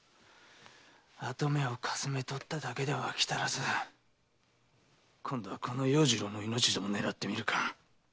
跡目をかすめ取っただけではあきたらず今度はこの要次郎の命でも狙ってみるか？